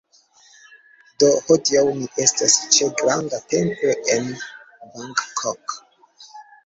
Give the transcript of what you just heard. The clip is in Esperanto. Do hodiaŭ ni estas ĉe granda templo en Bangkok